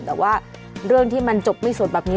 แต่ว่าเรื่องที่มันจบไม่สุดแบบนี้